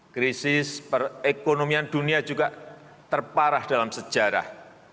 krisis perekonomian dunia juga terparah dalam sejarah